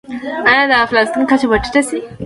آیا د انفلاسیون کچه به ټیټه شي؟